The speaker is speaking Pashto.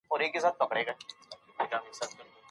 د کندهار پوهنتون چاپېريال نسبتاً ارام دئ.